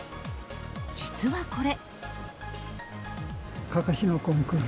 実はこれ。